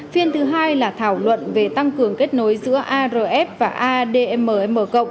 phiên thứ hai là thảo luận về tăng cường kết nối giữa arf và admm